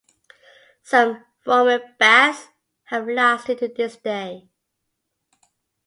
Some Roman baths have lasted to this day.